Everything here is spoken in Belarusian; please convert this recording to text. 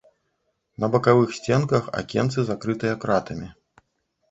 На бакавых сценках акенцы, закрытыя кратамі.